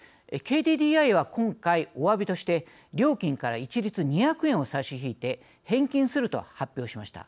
ＫＤＤＩは今回、おわびとして料金から一律２００円を差し引いて返金すると発表しました。